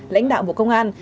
lãnh đạo bộ công an